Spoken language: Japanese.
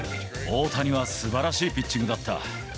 大谷はすばらしいピッチングだった。